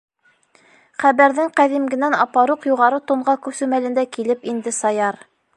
Хәбәрҙең ҡәҙимгенән апаруҡ юғары тонға күсеү мәлендә килеп инде Саяр: